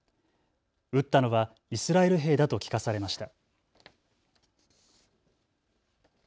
撃ったのはイスラエル兵だと聞かされました。